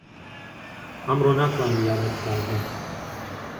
ئەمڕۆ ناتوانم یارمەتیتان بدەم.